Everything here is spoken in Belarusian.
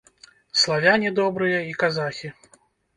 Славяне добрыя і казахі.